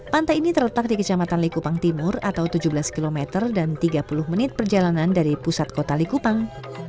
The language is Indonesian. pantai ini terletak di kecamatan likupang timur atau tujuh belas km dan tiga puluh menit perjalanan dari pusat kota likupang